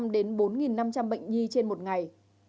đến bốn năm trăm linh bệnh nhi trên một ngày